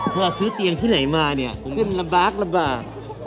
เธอซื้อเตียงที่ไหนมาเนี่ยขึ้นระบากระบาก